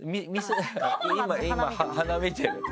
今鼻見てる？